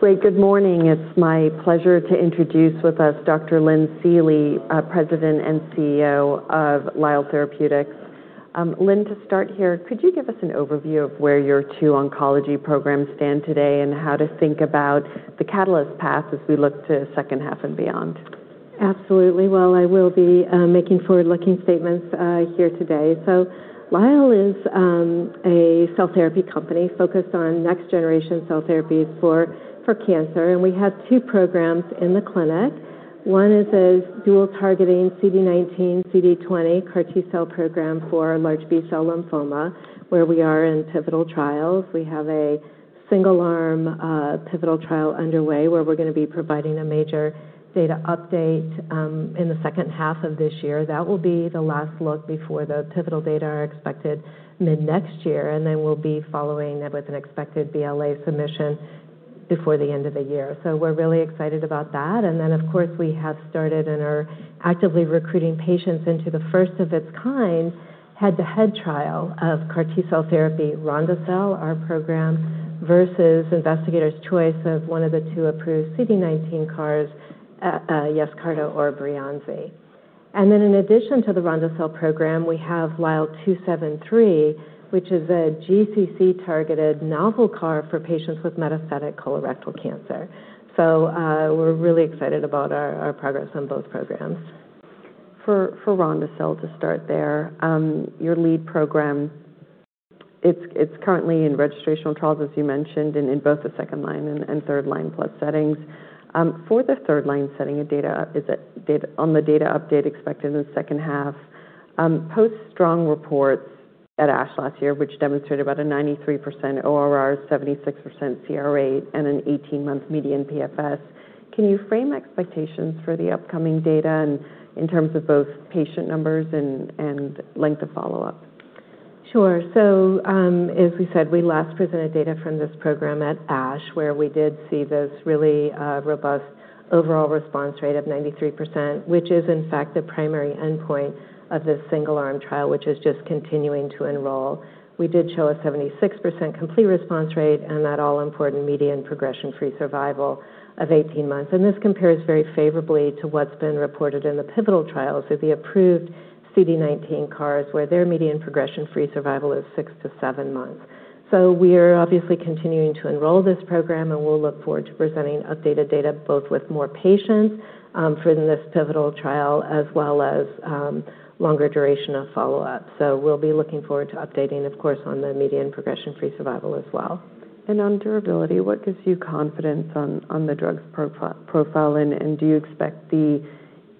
Great. Good morning. It is my pleasure to introduce with us Dr. Lynn Seely, President and CEO of Lyell Immunopharma. Lynn, to start here, could you give us an overview of where your two oncology programs stand today, and how to think about the catalyst path as we look to second half and beyond? Absolutely. Well, I will be making forward-looking statements here today. Lyell is a cell therapy company focused on next generation cell therapies for cancer, and we have two programs in the clinic. One is a dual targeting CD19, CD20 CAR T cell program for large B-cell lymphoma, where we are in pivotal trials. We have a single-arm pivotal trial underway where we are going to be providing a major data update in the second half of this year. That will be the last look before the pivotal data are expected mid-next year, and we will be following it with an expected BLA submission before the end of the year. We are really excited about that. Of course, we have started and are actively recruiting patients into the first-of-its-kind head-to-head trial of CAR T cell therapy, Ronde-cel, our program, versus investigators choice of one of the two approved CD19 CARs, Yescarta or Breyanzi. In addition to the Ronde-cel program, we have LYL273, which is a GCC-targeted novel CAR for patients with metastatic colorectal cancer. We are really excited about our progress on both programs. For Ronde-cel, to start there, your lead program, it is currently in registrational trials, as you mentioned, and in both the second line and third-line plus settings. For the third line setting on the data update expected in the second half, post strong reports at ASH last year, which demonstrated about a 93% ORR, 76% CR rate, and an 18-month median PFS, can you frame expectations for the upcoming data and in terms of both patient numbers and length of follow-up? Sure. As we said, we last presented data from this program at ASH, where we did see this really robust overall response rate of 93%, which is in fact the primary endpoint of this single-arm trial, which is just continuing to enroll. We did show a 76% complete response rate and that all important median progression-free survival of 18 months. This compares very favorably to what's been reported in the pivotal trials of the approved CD19 CARs, where their median progression-free survival is 6-7 months. We're obviously continuing to enroll this program, and we'll look forward to presenting updated data, both with more patients for this pivotal trial, as well as longer duration of follow-up. We'll be looking forward to updating, of course, on the median progression-free survival as well. On durability, what gives you confidence on the drug's profile, and do you expect the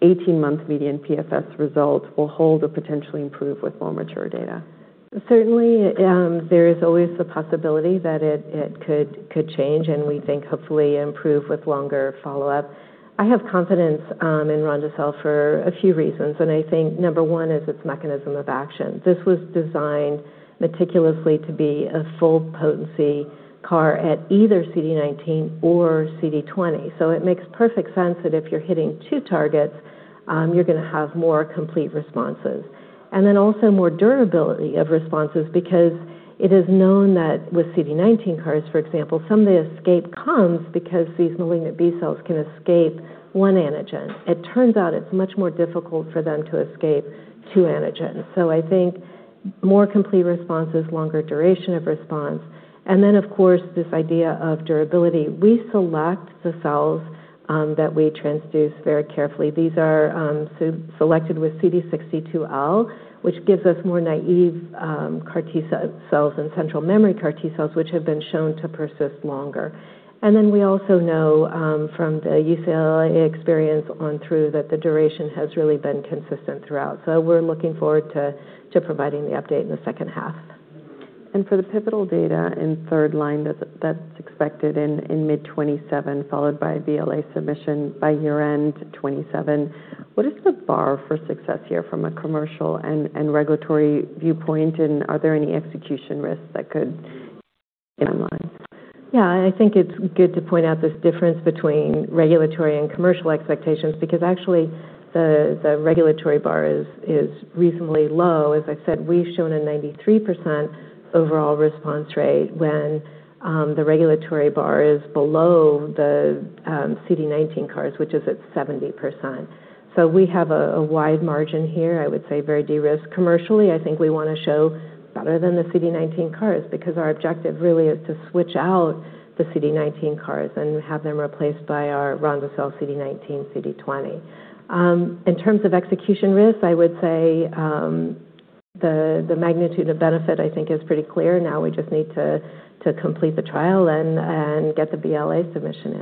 18-month median PFS results will hold or potentially improve with more mature data? Certainly, there is always the possibility that it could change and we think hopefully improve with longer follow-up. I have confidence in Ronde-cel for a few reasons, and I think number one is its mechanism of action. This was designed meticulously to be a full potency CAR at either CD19 or CD20. It makes perfect sense that if you're hitting two targets, you're going to have more complete responses. Then also more durability of responses because it is known that with CD19 CARs, for example, some of the escape comes because these malignant B cells can escape one antigen. It turns out it's much more difficult for them to escape two antigens. I think more complete responses, longer duration of response, and then, of course, this idea of durability. We select the cells that we transduce very carefully. These are selected with CD62L, which gives us more naive CAR T cells and central memory CAR T cells, which have been shown to persist longer. Then we also know from the UCLA experience on through that the duration has really been consistent throughout. We're looking forward to providing the update in the second half. For the pivotal data in third-line, that's expected in mid 2027, followed by BLA submission by year-end 2027. What is the bar for success here from a commercial and regulatory viewpoint, and are there any execution risks that could get in the way? I think it's good to point out this difference between regulatory and commercial expectations, because actually the regulatory bar is reasonably low. As I said, we've shown a 93% overall response rate when the regulatory bar is below the CD19 CARs, which is at 70%. We have a wide margin here, I would say very de-risked commercially. I think we want to show better than the CD19 CARs, because our objective really is to switch out the CD19 CARs and have them replaced by our Ronde-cel CD19, CD20. In terms of execution risk, I would say the magnitude of benefit, I think, is pretty clear. We just need to complete the trial and get the BLA submission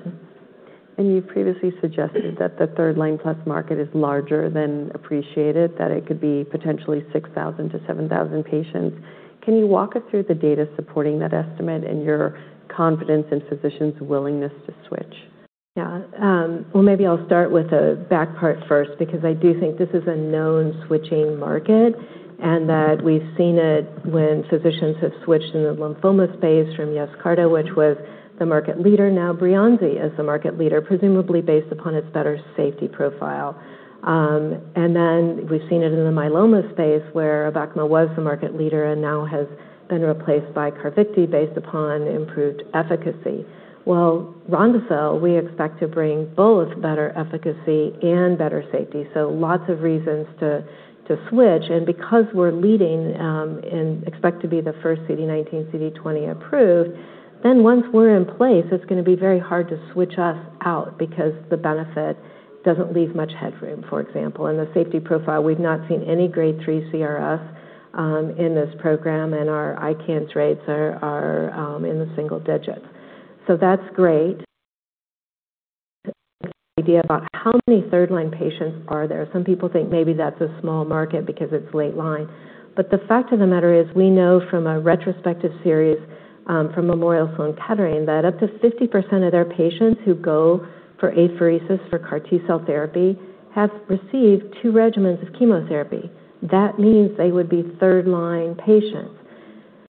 in. You previously suggested that the third-line plus market is larger than appreciated, that it could be potentially 6,000 to 7,000 patients. Can you walk us through the data supporting that estimate and your confidence in physicians' willingness to switch? Well, maybe I'll start with the back part first, because I do think this is a known switching market and that we've seen it when physicians have switched in the lymphoma space from Yescarta, which was the market leader. Breyanzi is the market leader, presumably based upon its better safety profile. We've seen it in the myeloma space, where ABECMA was the market leader and now has been replaced by CARVYKTI, based upon improved efficacy. Well, Ronde-cel, we expect to bring both better efficacy and better safety, so lots of reasons to switch. Because we're leading and expect to be the first CD19, CD20 approved, then once we're in place, it's going to be very hard to switch us out, because the benefit doesn't leave much headroom, for example. In the safety profile, we've not seen any Grade 3 CRS in this program, our ICANS rates are in the single digits. That's great. An idea about how many third-line patients are there. Some people think maybe that's a small market because it's late line. The fact of the matter is, we know from a retrospective series from Memorial Sloan Kettering that up to 50% of their patients who go for apheresis for CAR T-cell therapy have received two regimens of chemotherapy. That means they would be third-line patients.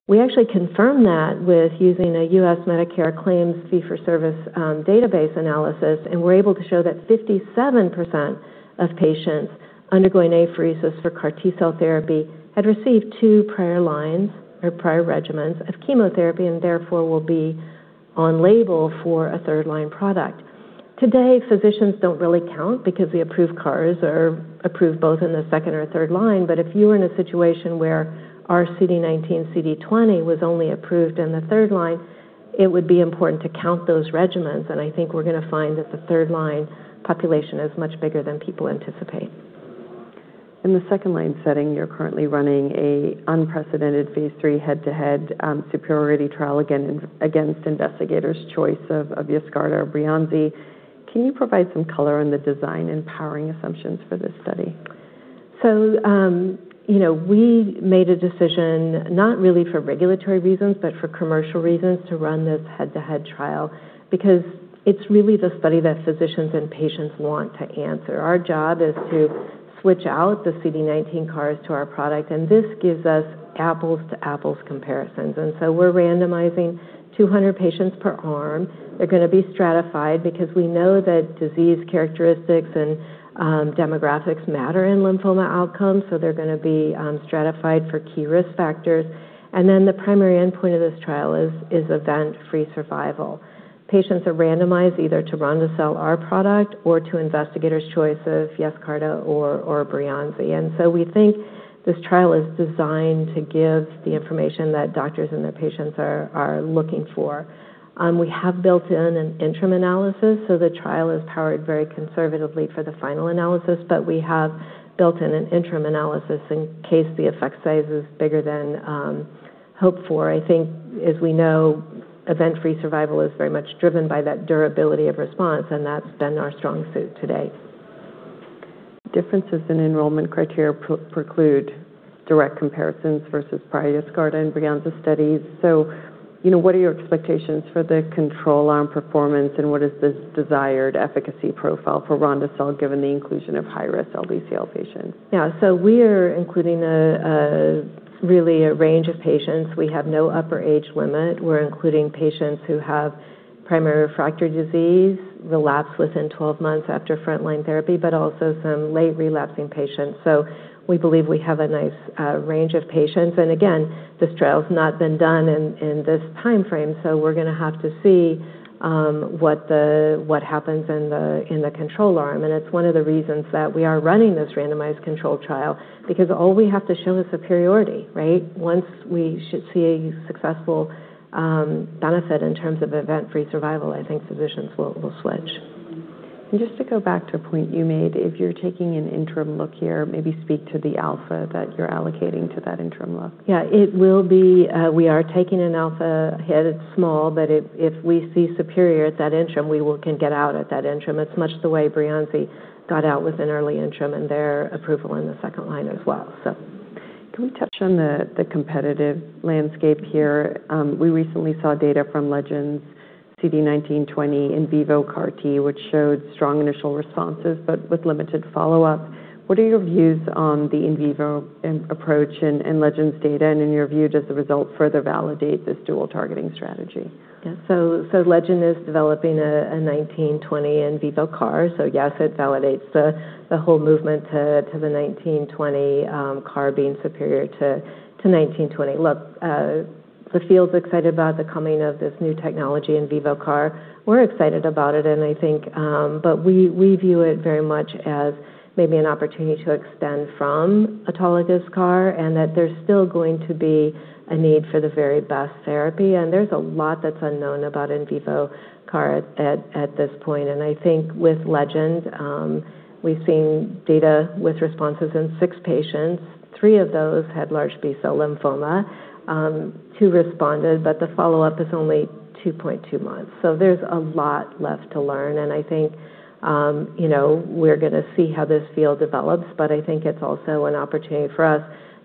We actually confirmed that with using a U.S. Medicare claims fee-for-service database analysis, and we're able to show that 57% of patients undergoing apheresis for CAR T-cell therapy had received two prior lines or prior regimens of chemotherapy, and therefore will be on label for a third-line product. Today, physicians don't really count because the approved CARs are approved both in the second or third line. If you were in a situation where our CD19, CD20 was only approved in the third line, it would be important to count those regimens, and I think we're going to find that the third line population is much bigger than people anticipate. In the second line setting, you're currently running an unprecedented phase III head-to-head superiority trial against investigators' choice of Yescarta or Breyanzi. Can you provide some color on the design and powering assumptions for this study? We made a decision not really for regulatory reasons, for commercial reasons to run this head-to-head trial, because it's really the study that physicians and patients want to answer. Our job is to switch out the CD19 CARs to our product, and this gives us apples-to-apples comparisons. We're randomizing 200 patients per arm. They're going to be stratified because we know that disease characteristics and demographics matter in lymphoma outcomes. They're going to be stratified for key risk factors. The primary endpoint of this trial is event-free survival. Patients are randomized either to Ronde-cel, our product, or to investigators' choice of Yescarta or Breyanzi. We think this trial is designed to give the information that doctors and their patients are looking for. We have built in an interim analysis, so the trial is powered very conservatively for the final analysis, but we have built in an interim analysis in case the effect size is bigger than hoped for. I think, as we know, event-free survival is very much driven by that durability of response, and that's been our strong suit to date. Differences in enrollment criteria preclude direct comparisons versus prior Yescarta and Breyanzi studies. What are your expectations for the control arm performance, and what is the desired efficacy profile for Ronde-cel, given the inclusion of high-risk LBCL patients? Yeah. We're including really a range of patients. We have no upper age limit. We're including patients who have primary refractory disease, relapse within 12 months after frontline therapy, but also some late relapsing patients. We believe we have a nice range of patients. Again, this trial's not been done in this timeframe, so we're going to have to see what happens in the control arm. It's one of the reasons that we are running this randomized control trial, because all we have to show is superiority, right? Once we should see a successful benefit in terms of event-free survival, I think physicians will switch. Just to go back to a point you made, if you're taking an interim look here, maybe speak to the alpha that you're allocating to that interim look. Yeah. We are taking an alpha hit. It's small, but if we see superior at that interim, we can get out at that interim. It's much the way Breyanzi got out with an early interim and their approval in the second line as well. Can we touch on the competitive landscape here? We recently saw data from Legend's CD19/CD20 in vivo CAR T, which showed strong initial responses, but with limited follow-up. What are your views on the in vivo approach and Legend's data? In your view, does the result further validate this dual targeting strategy? Yeah. Legend is developing a 19/20 in vivo CAR. Yes, it validates the whole movement to the 19/20 CAR being superior to 19/20. Look, the field's excited about the coming of this new technology, in vivo CAR. We're excited about it, but we view it very much as maybe an opportunity to extend from autologous CAR, and that there's still going to be a need for the very best therapy. There's a lot that's unknown about in vivo CAR at this point. I think with Legend, we've seen data with responses in six patients. Three of those had large B-cell lymphoma. Two responded, but the follow-up is only 2.2 months. There's a lot left to learn, and I think we're going to see how this field develops, but I think it's also an opportunity for us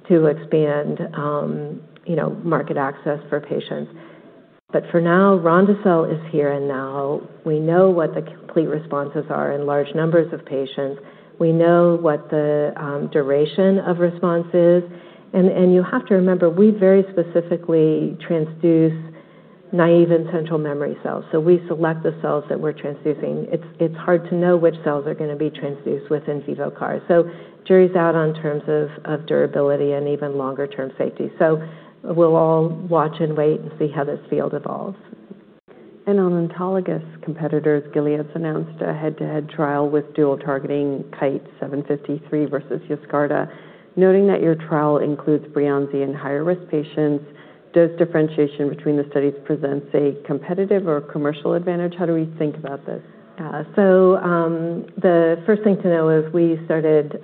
to expand market access for patients. For now, Ronde-cel is here and now. We know what the complete responses are in large numbers of patients. We know what the duration of response is. You have to remember, we very specifically transduce naive and central memory cells. We select the cells that we're transducing. It's hard to know which cells are going to be transduced with in vivo CAR. Jury's out on terms of durability and even longer-term safety. We'll all watch and wait and see how this field evolves. On autologous competitors, Gilead's announced a head-to-head trial with dual targeting KITE-753 versus Yescarta, noting that your trial includes Breyanzi in higher risk patients. Does differentiation between the studies present, say, competitive or commercial advantage? How do we think about this? The first thing to know is we started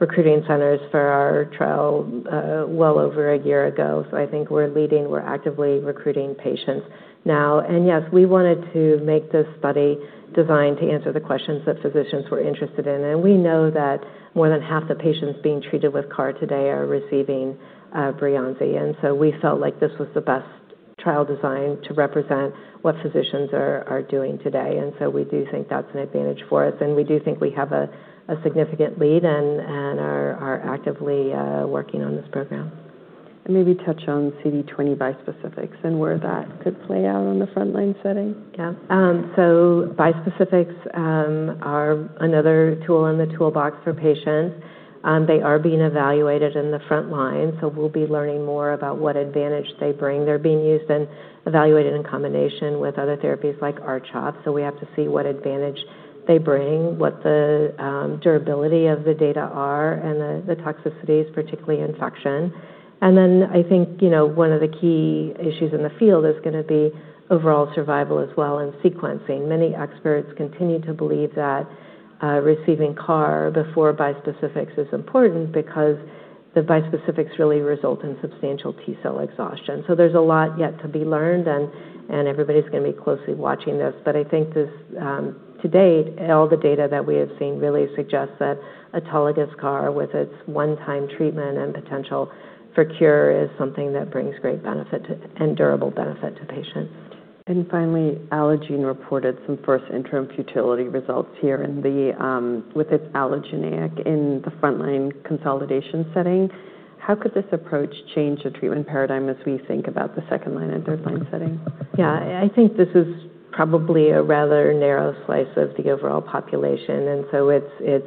recruiting centers for our trial well over a year ago. I think we're leading. We're actively recruiting patients now. Yes, we wanted to make this study designed to answer the questions that physicians were interested in. We know that more than half the patients being treated with CAR today are receiving Breyanzi, we felt like this was the best trial design to represent what physicians are doing today, we do think that's an advantage for us, we do think we have a significant lead and are actively working on this program. Maybe touch on CD20 bispecifics and where that could play out on the frontline setting. Yeah. Bispecifics are another tool in the toolbox for patients. They are being evaluated in the front line, we'll be learning more about what advantage they bring. They're being used and evaluated in combination with other therapies like R-CHOP, we have to see what advantage they bring, what the durability of the data are, and the toxicities, particularly infection. I think one of the key issues in the field is going to be overall survival as well and sequencing. Many experts continue to believe that receiving CAR before bispecifics is important because the bispecifics really result in substantial T-cell exhaustion. There's a lot yet to be learned, and everybody's going to be closely watching this. I think to date, all the data that we have seen really suggest that autologous CAR with its one-time treatment and potential for cure is something that brings great benefit and durable benefit to patients. Finally, Allogene reported some first interim futility results here with its allogeneic in the frontline consolidation setting. How could this approach change the treatment paradigm as we think about the second-line and third-line setting? I think this is probably a rather narrow slice of the overall population, it's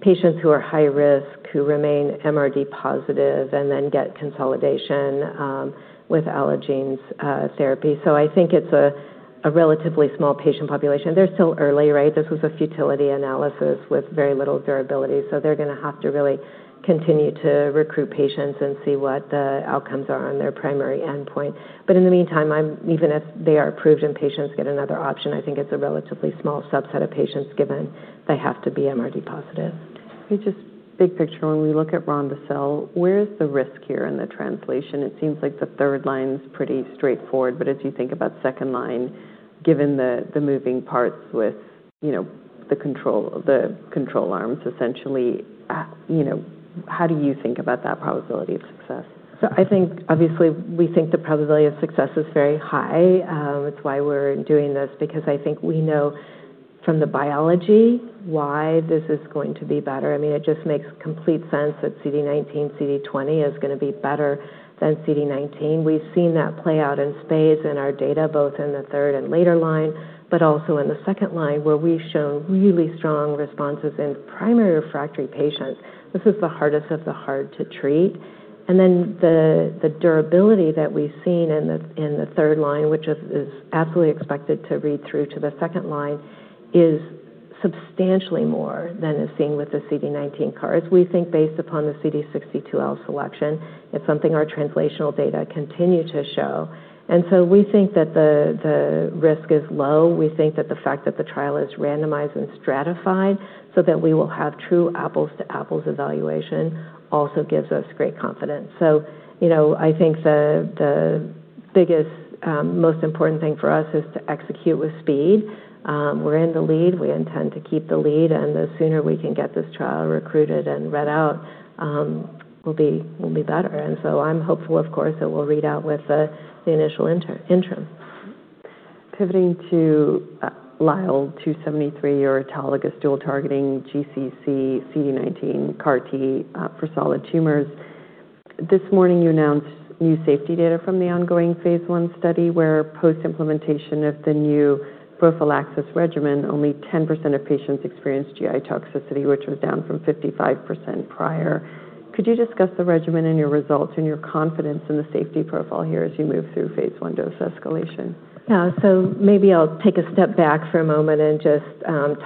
patients who are high risk who remain MRD positive and then get consolidation with Allogene's therapy. I think it's a relatively small patient population. They're still early, right? This was a futility analysis with very little durability, they're going to have to really continue to recruit patients and see what the outcomes are on their primary endpoint. In the meantime, even if they are approved and patients get another option, I think it's a relatively small subset of patients given they have to be MRD positive. Just big picture, when we look at Ronde-cel, where's the risk here in the translation? It seems like the third line's pretty straightforward, as you think about second line, given the moving parts with the control arms, essentially, how do you think about that probability of success? We think the probability of success is very high. It's why we're doing this, because I think we know from the biology why this is going to be better. It just makes complete sense that CD19/CD20 is going to be better than CD19. We've seen that play out in spades in our data, both in the third and later line, but also in the second line, where we've shown really strong responses in primary refractory patients. This is the hardest of the hard to treat. The durability that we've seen in the third line, which is absolutely expected to read through to the second line, is substantially more than is seen with the CD19 CAR. We think based upon the CD62L selection, it's something our translational data continue to show. We think that the risk is low. We think that the fact that the trial is randomized and stratified so that we will have true apples-to-apples evaluation also gives us great confidence. I think the biggest, most important thing for us is to execute with speed. We're in the lead. We intend to keep the lead, the sooner we can get this trial recruited and read out will be better. I'm hopeful, of course, that we'll read out with the initial interim. Pivoting to LYL273 or autologous dual targeting GCC CD19 CAR T for solid tumors. This morning, you announced new safety data from the ongoing phase I study where post-implementation of the new prophylaxis regimen, only 10% of patients experienced GI toxicity, which was down from 55% prior. Could you discuss the regimen and your results and your confidence in the safety profile here as you move through phase I dose escalation? Yeah. Maybe I'll take a step back for a moment and just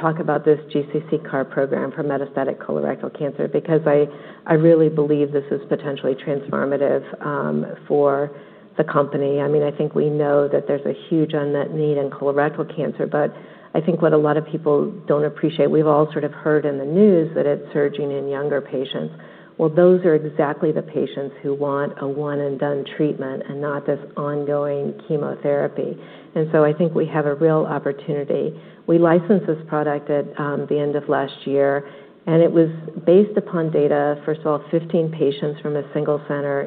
talk about this GCC CAR program for metastatic colorectal cancer, because I really believe this is potentially transformative for the company. I think we know that there's a huge unmet need in colorectal cancer. I think what a lot of people don't appreciate, we've all sort of heard in the news that it's surging in younger patients. Well, those are exactly the patients who want a one-and-done treatment and not this ongoing chemotherapy. I think we have a real opportunity. We licensed this product at the end of last year. It was based upon data, first of all, 15 patients from a single center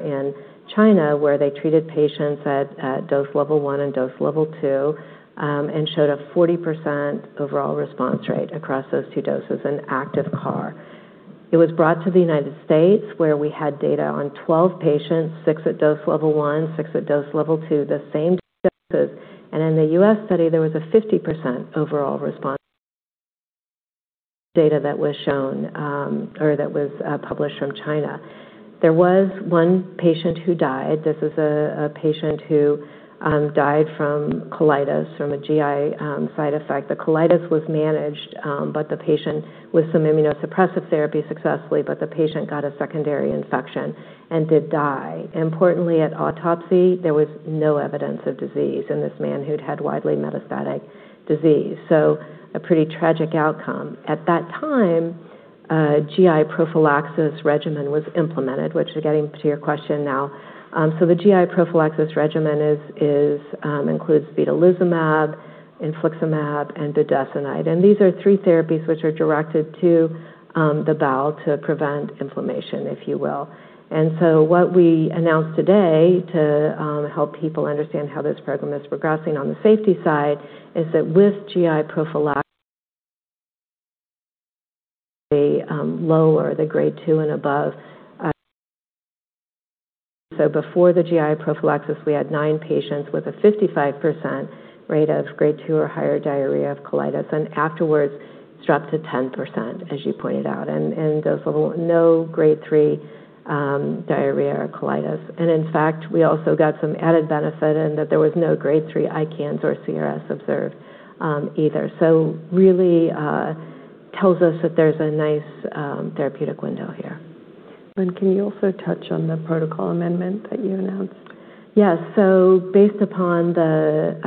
in China where they treated patients at dose level 1 and dose level 2 and showed a 40% overall response rate across those two doses in active CAR. It was brought to the U.S., where we had data on 12 patients, six at dose level 1, six at dose level 2, the same doses. In the U.S. study, there was a 50% overall response data that was shown or that was published from China. There was one patient who died. This is a patient who died from colitis, from a GI side effect. The colitis was managed with some immunosuppressive therapy successfully, but the patient got a secondary infection and did die. Importantly, at autopsy, there was no evidence of disease in this man who'd had widely metastatic disease. A pretty tragic outcome. At that time, a GI prophylaxis regimen was implemented, which, getting to your question now. The GI prophylaxis regimen includes vedolizumab, infliximab, and budesonide. These are three therapies which are directed to the bowel to prevent inflammation, if you will. What we announced today to help people understand how this program is progressing on the safety side is that with GI prophylaxis, lower the Grade 2 and above. Before the GI prophylaxis, we had nine patients with a 55% rate of Grade 2 or higher diarrhea of colitis. Afterwards, it's dropped to 10%, as you pointed out, those level no Grade 3 diarrhea or colitis. In fact, we also got some added benefit in that there was no Grade 3 ICANS or CRS observed either. Really tells us that there's a nice therapeutic window here. Can you also touch on the protocol amendment that you announced? Based upon the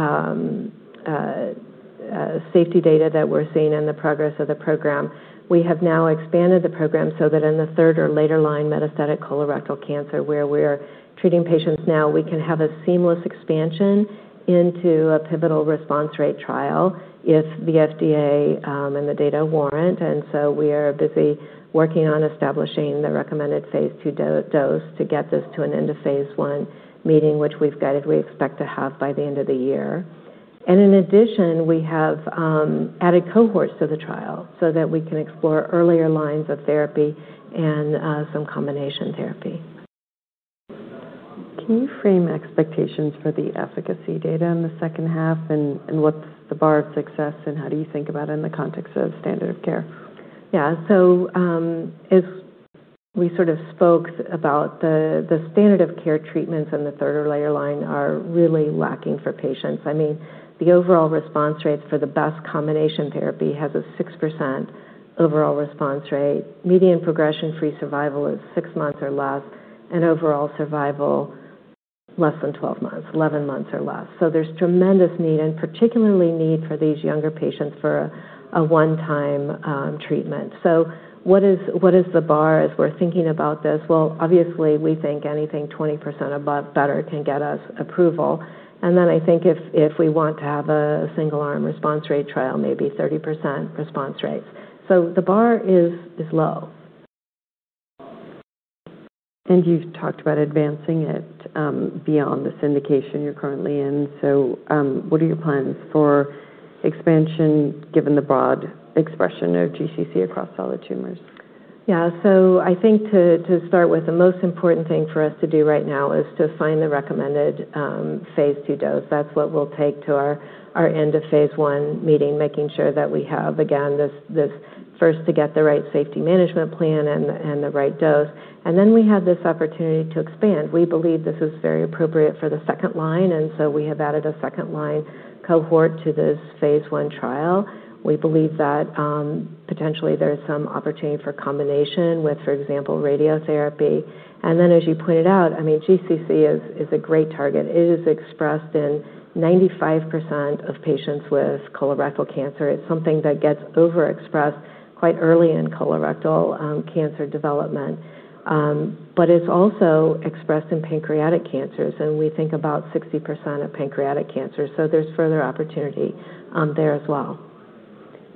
safety data that we're seeing and the progress of the program, we have now expanded the program so that in the third or later line metastatic colorectal cancer, where we're treating patients now, we can have a seamless expansion into a pivotal response rate trial if the FDA and the data warrant. We are busy working on establishing the recommended phase II dose to get this to an end of phase I meeting, which we've guided we expect to have by the end of the year. In addition, we have added cohorts to the trial so that we can explore earlier lines of therapy and some combination therapy. Can you frame expectations for the efficacy data in the second half? What's the bar of success, and how do you think about it in the context of standard of care? As we sort of spoke about the standard of care treatments in the third or later line are really lacking for patients. I mean, the overall response rates for the best combination therapy has a 6% overall response rate. Median progression-free survival is six months or less, and overall survival, less than 12 months, 11 months or less. There's tremendous need, and particularly need for these younger patients for a one-time treatment. What is the bar as we're thinking about this? Well, obviously, we think anything 20% above better can get us approval. Then I think if we want to have a single-arm response rate trial, maybe 30% response rates. The bar is low. You've talked about advancing it beyond the syndication you're currently in. What are your plans for expansion given the broad expression of GCC across solid tumors? Yeah. I think to start with, the most important thing for us to do right now is to find the recommended phase II dose. That's what we'll take to our end of phase I meeting, making sure that we have, again, this first to get the right safety management plan and the right dose. We have this opportunity to expand. We believe this is very appropriate for the second-line, we have added a second-line cohort to this phase I trial. We believe that potentially there is some opportunity for combination with, for example, radiotherapy. As you pointed out, I mean, GCC is a great target. It is expressed in 95% of patients with colorectal cancer. It's something that gets overexpressed quite early in colorectal cancer development. It's also expressed in pancreatic cancers, and we think about 60% of pancreatic cancers. There's further opportunity there as well.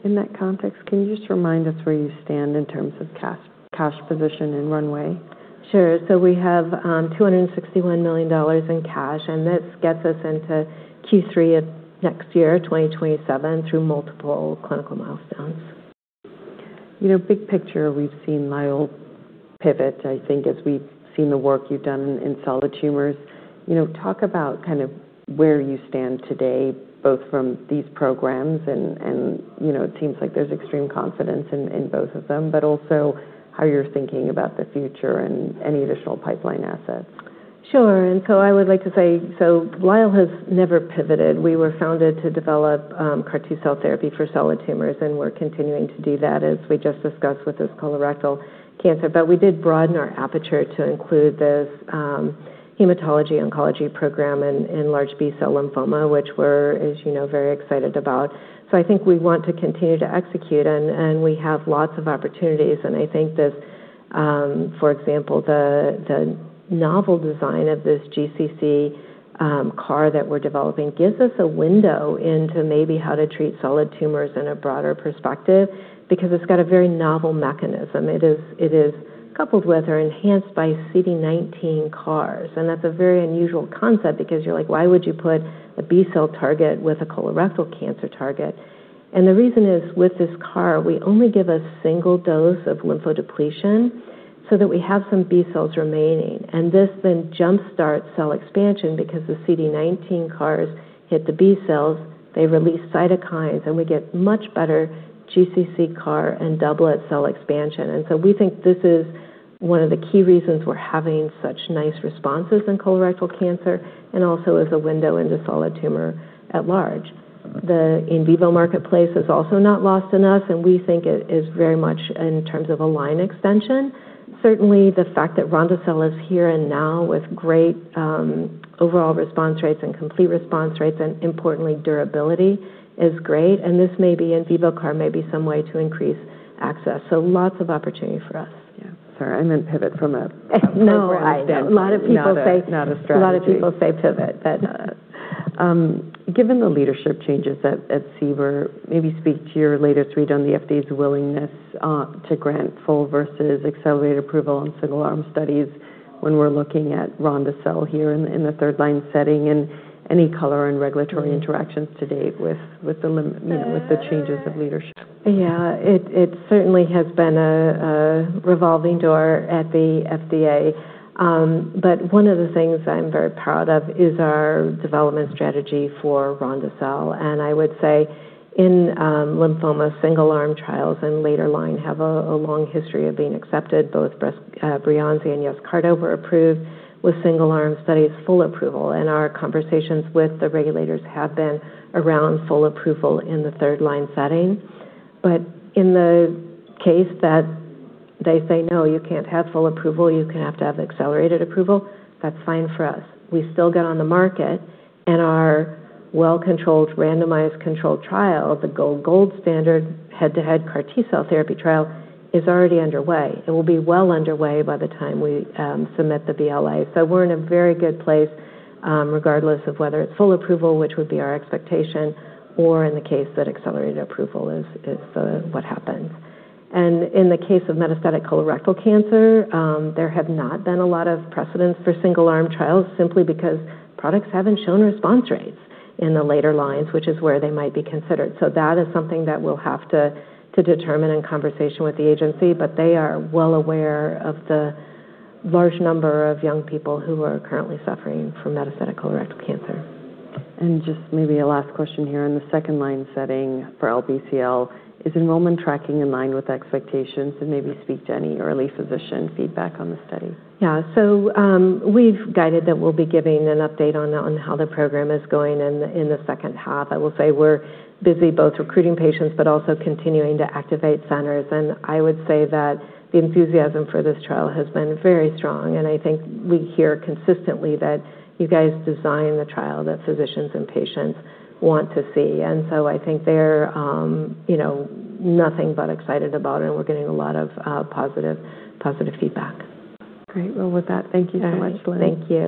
In that context, can you just remind us where you stand in terms of cash position and runway? Sure. We have $261 million in cash, this gets us into Q3 of next year, 2027, through multiple clinical milestones. Big picture, we've seen Lyell pivot, I think, as we've seen the work you've done in solid tumors. Talk about where you stand today, both from these programs and it seems like there's extreme confidence in both of them, but also how you're thinking about the future and any additional pipeline assets. Sure. I would like to say, Lyell has never pivoted. We were founded to develop CAR T-cell therapy for solid tumors, we're continuing to do that, as we just discussed with this colorectal cancer. We did broaden our aperture to include this hematology oncology program in large B-cell lymphoma, which we're, you know, very excited about. I think we want to continue to execute and we have lots of opportunities, I think this, for example, the novel design of this GCC CAR that we're developing gives us a window into maybe how to treat solid tumors in a broader perspective because it's got a very novel mechanism. It is coupled with or enhanced by CD19 CARs, that's a very unusual concept because you're like, "Why would you put a B-cell target with a colorectal cancer target?" The reason is with this CAR, we only give a single dose of lymphodepletion so that we have some B cells remaining. This then jumpstarts cell expansion, because the CD19 CARs hit the B cells, they release cytokines, we get much better GCC CAR and double cell expansion. We think this is one of the key reasons we're having such nice responses in colorectal cancer, also as a window into solid tumor at large. The in vivo marketplace is also not lost on us, we think it is very much in terms of a line extension. Certainly, the fact that Ronde-cel is here and now with great overall response rates and complete response rates, importantly, durability, is great, this maybe in vivo CAR may be some way to increase access. Lots of opportunity for us. Yeah. Sorry, I meant pivot from a No I understand. A lot of people say Not a strategy. A lot of people say pivot. Given the leadership changes at CBER, maybe speak to your latest read on the FDA's willingness to grant full versus accelerated approval on single arm studies when we're looking at Ronde-cel here in the third line setting and any color and regulatory interactions to date with the changes of leadership. Yeah. It certainly has been a revolving door at the FDA. One of the things I'm very proud of is our development strategy for Ronde-cel, and I would say in lymphoma, single arm trials and later line have a long history of being accepted. Both Breyanzi and Yescarta were approved with single arm studies full approval, and our conversations with the regulators have been around full approval in the third line setting. In the case that they say, "No, you can't have full approval, you have to have accelerated approval," that's fine for us. We still get on the market and our well-controlled randomized controlled trial, the gold standard head-to-head CAR T-cell therapy trial, is already underway. It will be well underway by the time we submit the BLA. We're in a very good place, regardless of whether it's full approval, which would be our expectation, or in the case that accelerated approval is what happens. In the case of metastatic colorectal cancer, there have not been a lot of precedents for single arm trials simply because products haven't shown response rates in the later lines, which is where they might be considered. That is something that we'll have to determine in conversation with the agency, but they are well aware of the large number of young people who are currently suffering from metastatic colorectal cancer. Just maybe a last question here. In the second line setting for LBCL, is enrollment tracking in line with expectations? Maybe speak to any early physician feedback on the study. Yeah. We've guided that we'll be giving an update on how the program is going in the second half. I will say we're busy both recruiting patients, but also continuing to activate centers. I would say that the enthusiasm for this trial has been very strong, and I think we hear consistently that you guys design the trial that physicians and patients want to see. I think they're nothing but excited about it, and we're getting a lot of positive feedback. Great. Well, with that, thank you so much, Lynn. Thank you